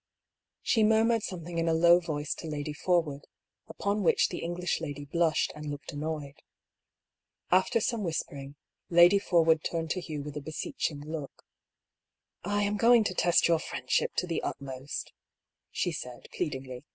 She murmured something in a low voice to Lady Forwood, upon which the English lady blushed and looked annoyed. After some whispering, Lady For wood turned to Hugh with a beseeching look. " I am going to test your friendship to the utmost," she said, pleadingly.